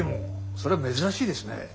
それは珍しいですね。